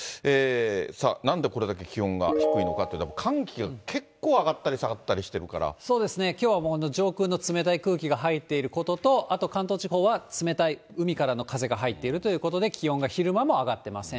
さあ、なんでこれだけ気温が低いのかって、寒気が結構、そうですね、きょうはもう上空の冷たい空気が入っていることと、あと関東地方は冷たい海からの風が入っているということで、気温が昼間も上がってません。